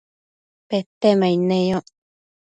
Petemaid neyoc